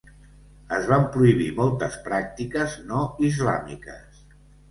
Es van prohibir moltes pràctiques no islàmiques.